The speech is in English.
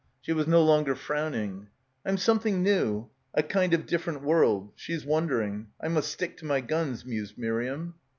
She was no longer frowning. Tm something new — a kind of different world. She is wondering. I must stick to my guns,' mused Miriam.